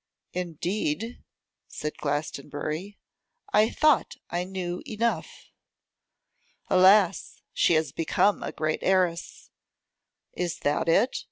'Indeed!' said Glastonbury, 'I thought I knew enough.' 'Alas! she has become a great heiress!' 'Is that it?